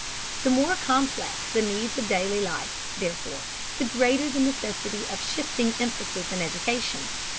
The more complex the needs of daily life, therefore, the greater the necessity of shifting emphasis in education.